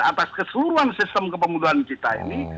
atas keseluruhan sistem kepemudaan kita ini